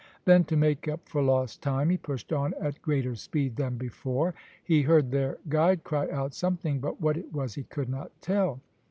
Then to make up for lost time he pushed on at greater speed than before. He heard their guide cry out something, but what it was he could not tell.